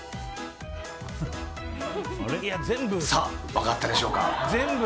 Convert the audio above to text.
さあ、分かったでしょうか。